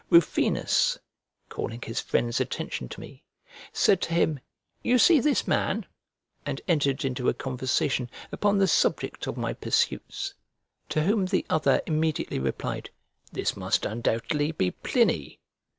Rufinus, calling his friend's attention to me, said to him, "You see this man?" and entered into a conversation upon the subject of my pursuits: to whom the other immediately replied, "This must undoubtedly be Pliny."